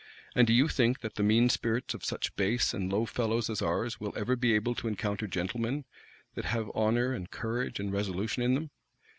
And do you think that the mean spirits of such base and low fellows as ours will ever be able to encounter gentlemen, that have honor, and courage, and resolution in them?